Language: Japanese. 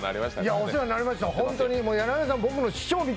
お世話になりました。